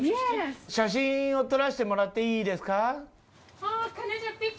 「写真を撮らせてもらっていいですか？」。